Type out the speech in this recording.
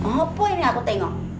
apa ini aku tengok